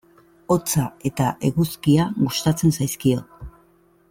Hotza eta eguzkia gustatzen zaizkio.